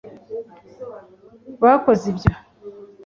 bakoze ibyo